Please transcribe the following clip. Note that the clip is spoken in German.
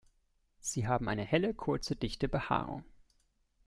Sie haben eine helle, kurze, dichte Behaarung.